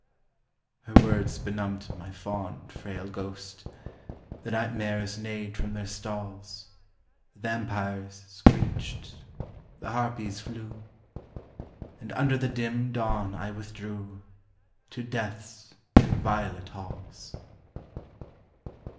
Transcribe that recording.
Her words benumbed my fond frail ghost; The nightmares neighed from their stalls The vampires screeched, the harpies flew, And under the dim dawn I withdrew To Death's inviolate halls.